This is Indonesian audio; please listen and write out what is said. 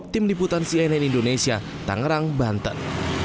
tim diputan cnn indonesia tanggerang banten